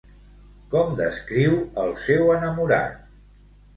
Com descriu al seu enamorat?